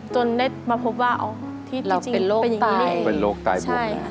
จนเล่นมาพบว่าที่จริงเป็นอย่างนี้เรียก